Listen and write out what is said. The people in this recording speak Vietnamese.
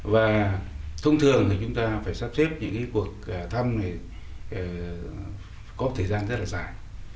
và thông thường thì chúng ta phải sắp xếp những cuộc thăm này có một thời gian rất là dài